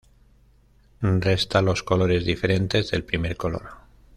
Resta los colores diferentes del primer color.